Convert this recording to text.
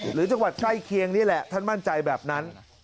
หรือจังหวัดใกล้เคียงนี่แหละท่านมั่นใจแบบนั้น